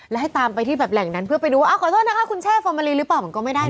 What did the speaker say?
แล้วให้ตามไปที่แบบแหล่งนั้นเพื่อไปดูว่าขอโทษนะคะคุณแช่ฟอร์มาลีหรือเปล่ามันก็ไม่ได้นะ